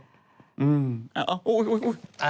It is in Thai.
จะยังไง